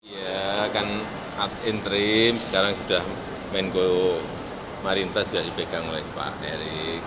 ya kan up in trim sekarang sudah menggo marintas sudah dipegang oleh pak derik